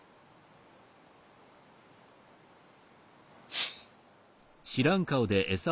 フッ。